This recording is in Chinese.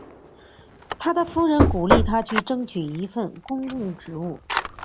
他的夫人鼓励他去争取一份公共职务。